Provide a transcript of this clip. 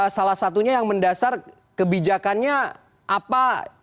salah satunya yang mendasar kebijakannya apa